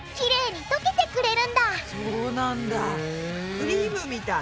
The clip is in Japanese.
クリームみたい。